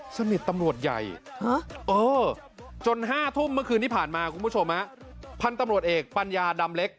สนิทตำรวจใหญ่จน๕ทุ่มเมื่อคืนที่ผ่านมาคุณผู้ชมพันธุ์ตำรวจเอกปัญญาดำเล็ก